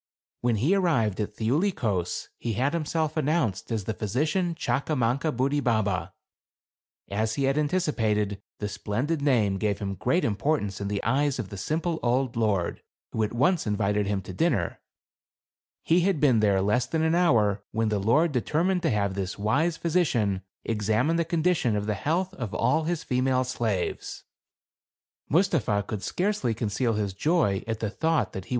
When he arrived at Thiuli Kos, he had himself announced as the Physician Chakamankabudi baba. As he had anticipated, the splendid name gave him great importance in the eyes of the simple old lord, who at once invited him to dinner. He had been there less than an hour, when the lord determined to have this wise physician examine the condition of the health of all his female slaves. Mustapha could scarcely conceal his joy at 178 THE CARAVAN. the thought that he.